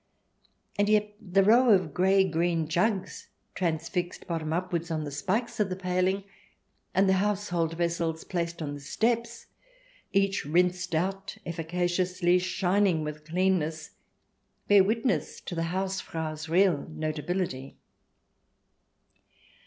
And yet the row of grey green jugs, transfixed, bottom upwards, on the spikes of the pahng, and the house hold vessels placed on the steps, each rinsed out efficaciously, shining with cleanness, bear witness to the Hausfrau's real notability.